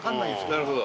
なるほど。